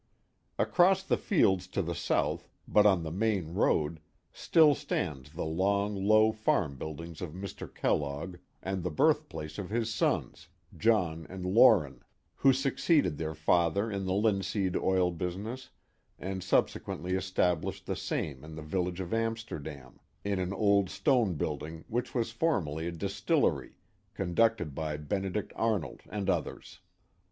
Across the fields to the south, but on the main road, still stands the long, low farm buildings of Mr. Kellogg and the birthplace of his sons, John and Lauren, who succeeded their father in the linseed oil business, and subsequently established the same in the village of Amsterdam, in an old stone building which was formerly a distillery conducted by Benedict Arnold and others.